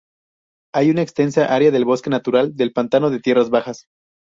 Hay una extensa área del bosque natural del pantano de tierras bajas.